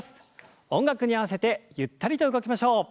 音楽に合わせてゆったりと動きましょう。